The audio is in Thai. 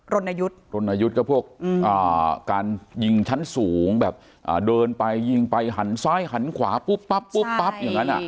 รณยุทธ์รณยุทธ์ก็พวกการยิงชั้นสูงแบบเดินไปยิงไปหันซ้ายหันขวาปุ๊บปั๊บปุ๊บปั๊บอย่างนั้น